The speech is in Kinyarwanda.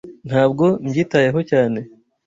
Ntabwo mbyitayeho cyane.